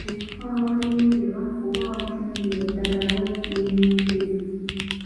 Ekifo awayengerwa oba awatundirwa eddagala wayitibwa ennyengero.